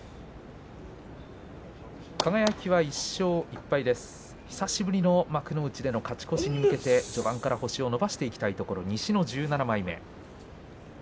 輝は１勝１敗久しぶりの幕内での勝ち越しに向けて序盤から星を伸ばしていきたいところ西の１７枚目。